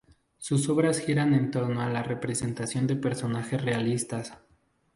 Sus obras giran en torno a la representación de personajes realistas.